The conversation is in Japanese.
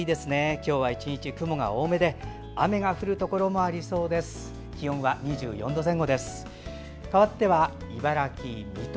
今日は１日、雲が多めで雨が降るところもありそうです。